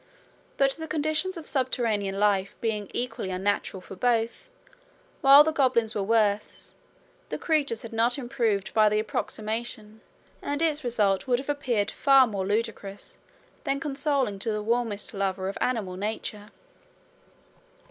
But the conditions of subterranean life being equally unnatural for both, while the goblins were worse, the creatures had not improved by the approximation, and its result would have appeared far more ludicrous than consoling to the warmest lover of animal nature.